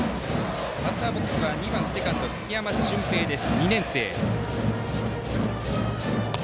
バッターボックスには２年生の２番セカンド、月山隼平です。